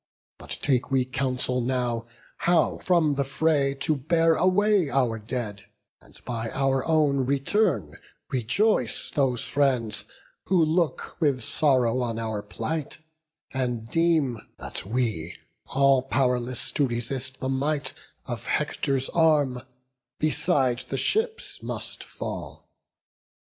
But take we counsel now How from the fray to bear away our dead, And by our own return rejoice those friends Who look with sorrow on our plight, and deem That we, all pow'rless to resist the might Of Hector's arm, beside the ships must fall.